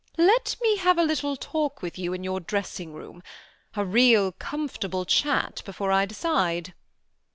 " Let me have a little talk with you in your dressing room, a real comfortable chat, before I decide."